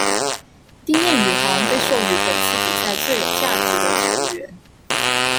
丁彦雨航被授予本次比赛最有价值球员。